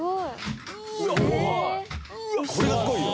これがすごいよ。